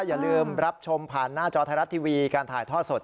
อย่าลืมรับชมผ่านหน้าจอไทยรัฐทีวีการถ่ายทอดสด